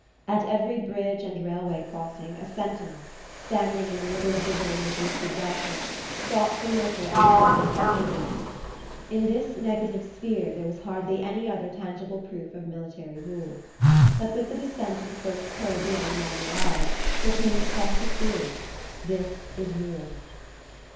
At every bridge and railway crossing a sentinel, standing in the middle of the road with lifted rifle, stopped the motor and examined our papers. In this negative sphere there was hardly any other tangible proof of military rule; but with the descent of the first hill beyond Montmirail there came the positive feeling: _This is war!